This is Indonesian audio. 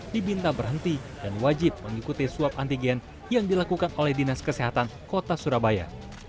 dibinta berhenti dan wajib mengikuti swab antigen yang dilakukan oleh dinas kesehatan kota surabaya